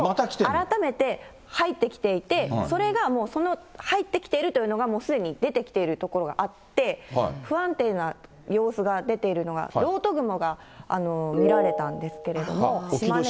改めて入ってきていて、それが入ってきているというのが、もうすでに出てきている所があって、不安定な様子が出ているのが、漏斗雲が見られたんですけれども。